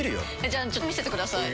じゃあちょっと見せてください。